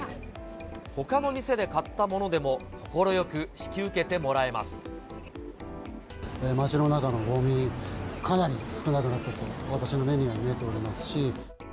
ほかの店で買ったものでも快街の中のごみ、かなり少なくなってると、私の目にも見えていますし。